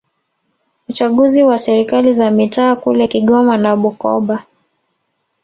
uchaguzi wa serikali za mitaa kule Kigoma na Bukoba